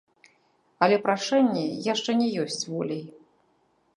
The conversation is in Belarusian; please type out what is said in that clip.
Але прашэнне яшчэ не ёсць воляй.